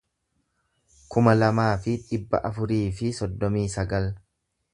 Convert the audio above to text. kuma lamaa fi dhibba afurii fi soddomii sagal